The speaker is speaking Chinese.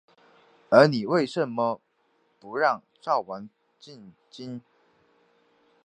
而你为甚么不让赵王进京？